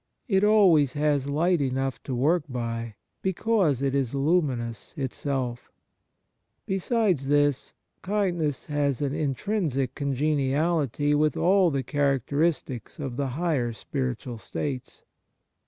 It always has light enough to work by, because it is luminous itself. Besides this, kindness has an intrinsic congeniality with all the characteristics of the higher spiritual states.